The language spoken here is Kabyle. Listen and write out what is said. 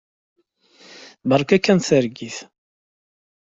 Beṛka-ken targit.